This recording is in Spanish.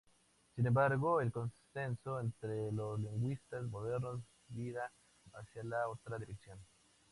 Sin embargo, el consenso entre los lingüistas modernos vira hacia la otra dirección.